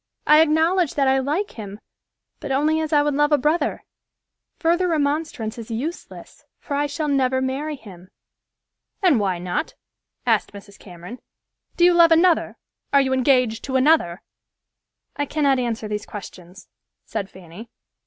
I acknowledge that I like him, but only as I would love a brother. Further remonstrance is useless, for I shall never marry him." "And why not?" asked Mrs. Cameron. "Do you love another? Are you engaged to another?" "I cannot answer these questions," said Fanny.